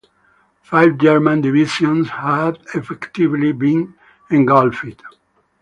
Five German divisions had effectively been engulfed.